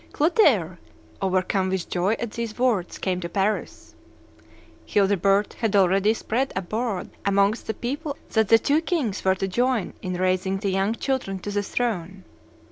Clotaire, overcome with joy at these words, came to Paris. Childebert had already spread abroad amongst the people that the two kings were to join in raising the young children to the throne.